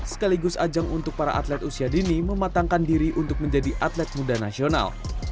sekaligus ajang untuk para atlet usia dini mematangkan diri untuk menjadi atlet muda nasional